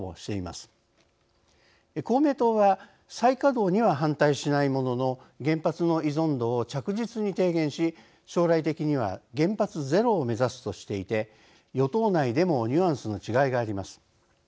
公明党は再稼働には反対しないものの「原発の依存度を着実に低減し将来的には原発ゼロを目指す」としていて与党内でもニュアンスの違いがあります。